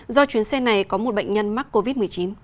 do chuyến xe này có một bệnh nhân mắc covid một mươi chín